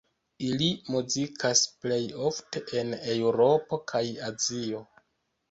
Ili muzikas plej ofte en Eŭropo kaj Azio.